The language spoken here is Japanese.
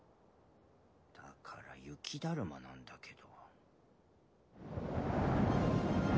だから雪だるまなんだけど。